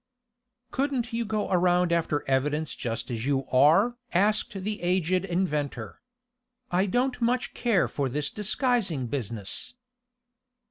"Couldn't you go around after evidence just as you are?" asked the aged inventor. "I don't much care for this disguising business."